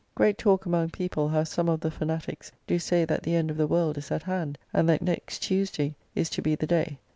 Great talk among people how some of the Fanatiques do say that the end of the world is at hand, and that next Tuesday is to be the day.